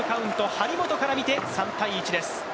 張本からみて３−１です。